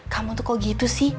kamu tuh kok gitu sih